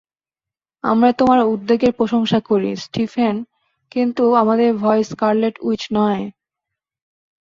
আমরা তোমার উদ্বেগের প্রশংসা করি, স্টিফেন, কিন্তু আমাদের ভয় স্কারলেট উইচ নয়।